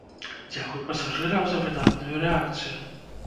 Дзякуй пасажырам за выдатную рэакцыю.